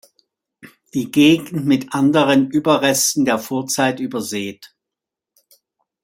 Die Gegend ist mit anderen Überresten der Vorzeit übersät.